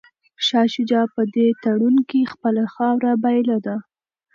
شاه شجاع په دې تړون کي خپله خاوره بایلوده.